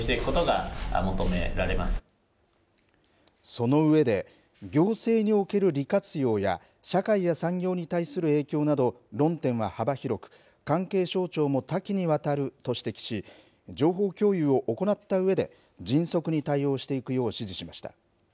その上で、行政における利活用や、社会や産業に対する影響など、論点は幅広く、関係省庁も多岐にわたると指摘し、情報共有を行ったうえで、迅速に対応していくよう指示しました。